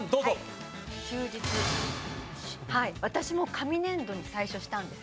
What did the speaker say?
私も紙ねんどに最初、したんです。